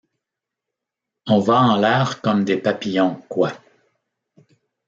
On va en l’air comme des papillons, quoi.